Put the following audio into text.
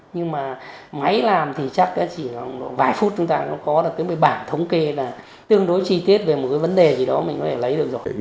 nhưng mà máy làm thì chắc chỉ vài phút chúng ta có được cái bảng thống kê là tương đối chi tiết về một cái vấn đề gì đó mình có thể lấy được rồi